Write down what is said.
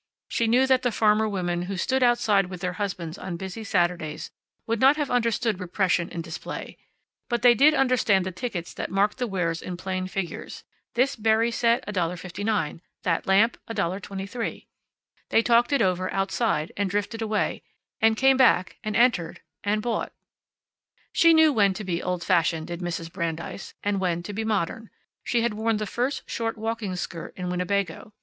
She knew that the farmer women who stood outside with their husbands on busy Saturdays would not have understood repression in display, but they did understand the tickets that marked the wares in plain figures this berry set, $1.59; that lamp, $1.23. They talked it over, outside, and drifted away, and came back, and entered, and bought. She knew when to be old fashioned, did Mrs. Brandeis, and when to be modern. She had worn the first short walking skirt in Winnebago.